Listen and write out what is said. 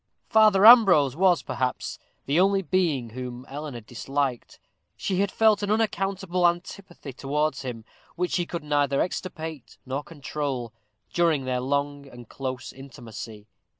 Father Ambrose was, perhaps, the only being whom Eleanor disliked. She had felt an unaccountable antipathy towards him, which she could neither extirpate nor control, during their long and close intimacy.